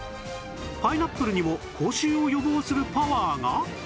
パイナップルにも口臭を予防するパワーが？